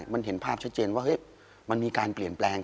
มันเห็นภาพชัดเจนว่ามันมีการเปลี่ยนแปลง